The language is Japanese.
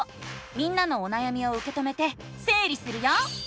みんなのおなやみをうけ止めてせい理するよ！